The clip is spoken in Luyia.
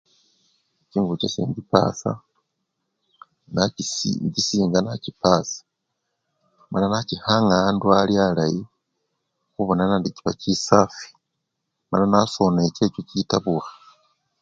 Chingubo chase mpasa nachisi-inchisinga nachi pasa mala nachikhanga awandu ali-alayi khubona nandi chiba chisafi mala nasona echecho chitabukhe.